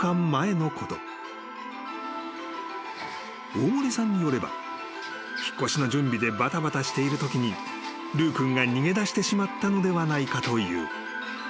［大森さんによれば引っ越しの準備でばたばたしているときにルー君が逃げ出してしまったのではないかという］